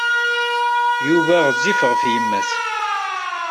Yuba ɣezzif ɣef yemma-s.